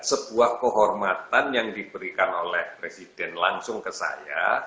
sebuah kehormatan yang diberikan oleh presiden langsung ke saya